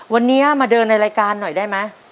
วันนี้มาเดินในรายการหน่อยได้ไหม